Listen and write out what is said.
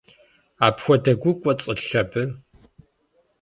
Апхуэдэ гу кӏуэцӏылъ абы?